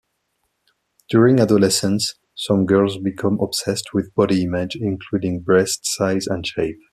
During adolescence, some girls become obsessed with body image including breast size and shape.